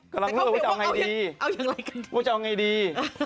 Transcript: กำลังเลือกว่าจะเอาอย่างไรกันดี